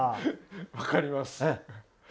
分かります。